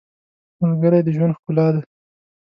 • ملګری د ژوند ښکلا ده.